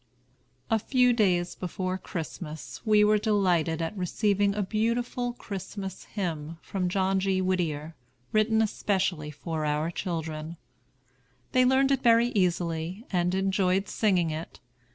A few days before Christmas we were delighted at receiving a beautiful Christmas Hymn from John G. Whittier, written especially for our children. They learned it very easily, and enjoyed singing it.